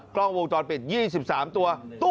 กล้องวงจรปิด๒๓ตัว